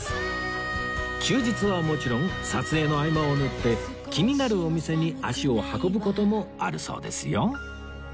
休日はもちろん撮影の合間を縫って気になるお店に足を運ぶ事もあるそうですよ